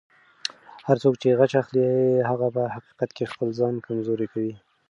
هر څوک چې غچ اخلي، هغه په حقیقت کې خپل ځان کمزوری کوي.